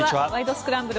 スクランブル」